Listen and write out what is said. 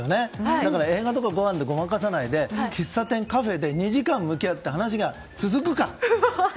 だから映画とかごはんでごまかさないで喫茶店、カフェで２時間向き合って、話が続くか。